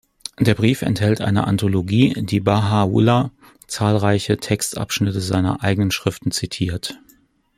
Der Brief enthält eine Anthologie, da Baha’u’llah zahlreiche Textabschnitte seiner eigenen Schriften zitiert.